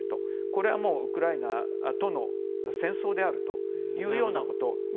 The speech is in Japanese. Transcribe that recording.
これはもうウクライナとの戦争であるというようなこと。